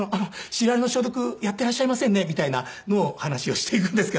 「シロアリの消毒やっていらっしゃいませんね」みたいなのを話をしていくんですけど。